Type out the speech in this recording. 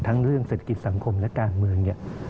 ทั้งเรื่องเศรษฐกิจสังคมและการเมือง